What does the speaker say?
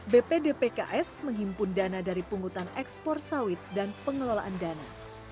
bpdpks menghimpun dana dari pungutan ekspor sawit dan pengelolaan dana